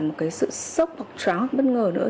một cái sự sốc hoặc trán bất ngờ nữa